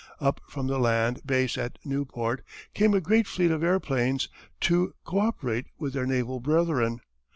Up from the land base at Nieuport came a great fleet of airplanes to co operate with their naval brethren.